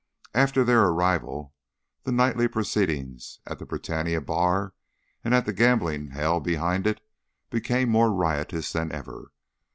After their arrival the nightly proceedings at the Britannia bar and at the gambling hell behind it became more riotous than ever.